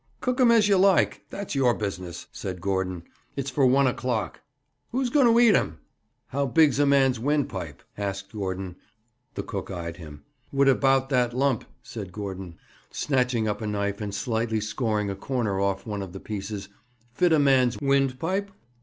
'Cook 'em as you like. That's your business,' said Gordon. 'It's for one o'clock.' 'Who's going to eat 'em?' 'How big's a man's windpipe?' asked Gordon. The cook eyed him. 'Would about that lump,' said Gordon, snatching up a knife and slightly scoring a corner off one of the pieces, 'fit a man's windpipe?'